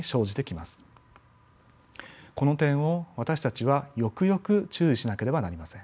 この点を私たちはよくよく注意しなければなりません。